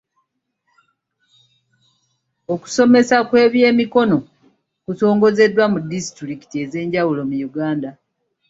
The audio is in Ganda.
Okusomesa kw'ebyemikono kutongozeddwa mu distitulikiti ez'enjawulo mu Uganda.